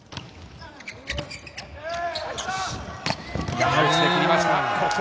山内で切りました。